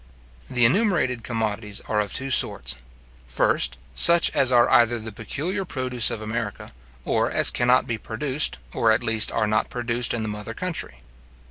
The enumerated commodities are of two sorts; first, such as are either the peculiar produce of America, or as cannot be produced, or at least are not produced in the mother country.